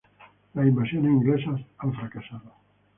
Las invasiones inglesas han fracasado.